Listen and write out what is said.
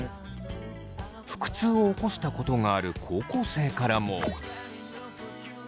腹痛を起こしたことがある高校生からも。